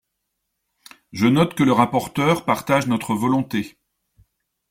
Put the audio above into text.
Je note que le rapporteur partage notre volonté.